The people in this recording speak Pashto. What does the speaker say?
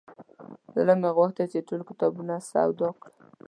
زړه مې غوښتل چې ټول کتابونه سودا کړم.